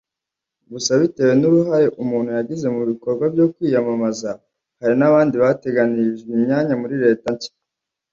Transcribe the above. Gusa bitewe n’uruhare umuntu yagize mu bikorwa byo kwiyamamaza hari n’abandi bateganirijwe imyanya muri Leta nshya